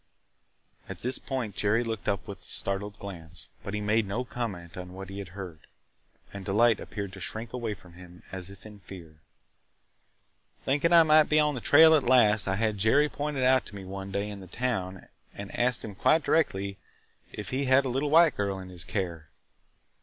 At this point Jerry looked up with a startled glance, but he made no comment on what he had heard. And Delight appeared to shrink away from him as if in fear. "Thinking I might be on the trail at last, I had Jerry pointed out to me one day in the town and asked him quite directly if he had a little white girl in his care.